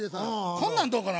こんなんどうかな？